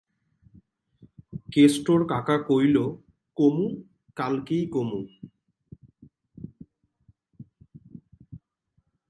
কেষ্টর কাকা কইল, কমু, কালকেই কমু।